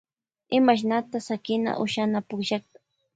Imashnata shakiyta ushana pushakta.